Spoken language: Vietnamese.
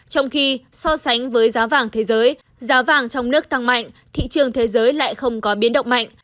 trong khi so sánh với giá vàng thế giới giá vàng trong nước tăng mạnh thị trường thế giới lại không có biến động mạnh